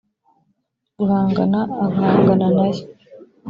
guhangana: agahangana na yo